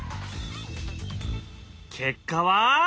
結果は？